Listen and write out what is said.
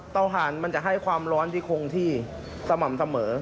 หานมันจะให้ความร้อนที่คงที่สม่ำเสมอ